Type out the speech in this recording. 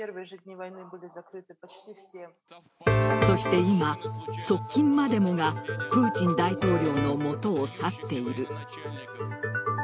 そして今、側近までもがプーチン大統領の元を去っている。